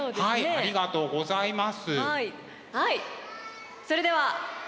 ありがとうございます。